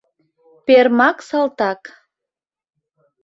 Пермак салтак.